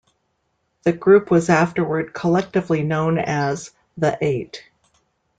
The group was afterward collectively known as The Eight.